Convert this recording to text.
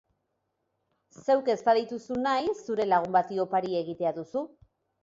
Zeuk ez badituzu nahi zure lagun bati opari egitea duzu.